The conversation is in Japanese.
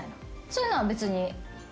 そういうのは別に？